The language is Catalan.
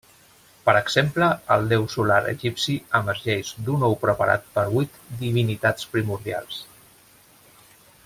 Per exemple el déu solar egipci emergeix d'un ou preparat per huit divinitats primordials.